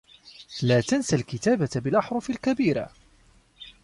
لا تنس الكتابة بالأحرف الكبيرة.